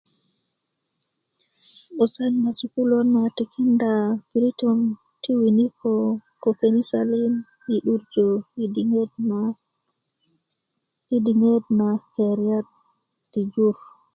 'busan na sukuluöt na tikinda a piritön ti winiko ko kenisa liŋ i 'durjö i diŋit na i diŋit na keriyat ti jur